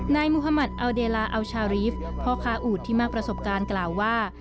นายมุธมัติอัลเดลาอัลชารีฟพ่อค้าอูดที่มากประสบการณ์กล่าวว่า